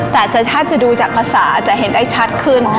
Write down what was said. แต่ถ้าจะดูจากภาษาจะเห็นได้ชัดขึ้น